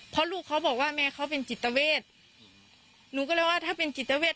เพราะลูกเขาบอกว่าแม่เขาเป็นจิตเวทหนูก็เลยว่าถ้าเป็นจิตเวท